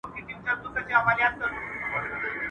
o درواغ د ايمان زيان دئ.